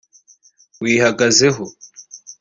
wihagazeho